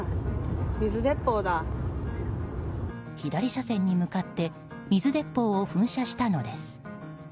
左車線に向かって水鉄砲を噴射したのです。